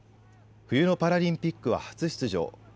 冬のパラリンピックは初出場。